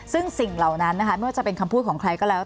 ซึ่งสิ่งเหล่านั้นนะคะไม่ว่าจะเป็นคำพูดของใครก็แล้ว